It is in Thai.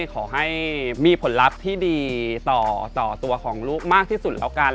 ขอให้มีผลลัพธ์ที่ดีต่อตัวของลูกมากที่สุดแล้วกัน